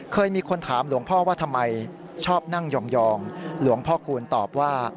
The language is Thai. เคยมีคนถามหลวงพ่อว่าทำไมชอบนั่งยองหลวงพ่อคูณตอบว่า